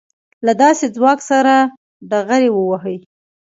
له داسې ځواک سره ډغرې ووهي.